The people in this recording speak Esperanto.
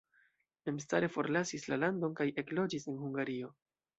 Memstare forlasis la landon kaj ekloĝis en Hungario.